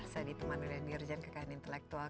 saya ditemani oleh nirjan kekahan intelektual